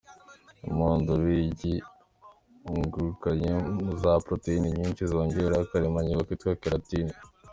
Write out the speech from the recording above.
Umuhondo w’igi ukungahaye mo za poroteyini nyinshyi zongera akaremangingo kitwa “keratine”.